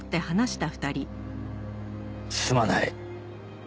すまない。